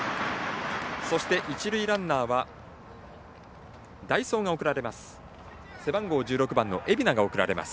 そして、一塁ランナーは代走が送られます。